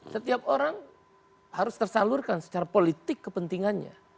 setiap orang harus tersalurkan secara politik kepentingannya